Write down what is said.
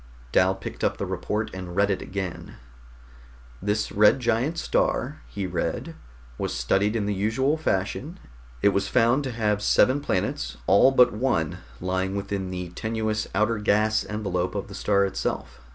Dal picked up the report and read it again. "This red giant star," he read, "was studied in the usual fashion. It was found to have seven planets, all but one lying within the tenuous outer gas envelope of the star itself.